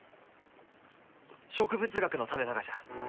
植物学のためながじゃ！